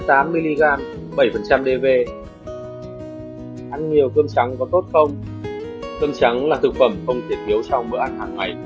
ăn nhiều cơm trắng có tốt không cơm trắng là thực phẩm không thiết thiếu trong bữa ăn hàng ngày của